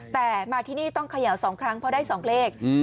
แต่มาที่นี่ต้องเขย่า๒ครั้งเพราะได้๒เลข